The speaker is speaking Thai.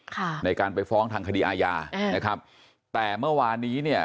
ค่ะในการไปฟ้องทางคดีอาญาอืมนะครับแต่เมื่อวานนี้เนี่ย